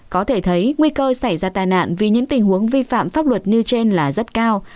có thể thấy nguy cơ xảy ra tai nạn vì những tình huống vi phạm pháp luật như trên là rất cao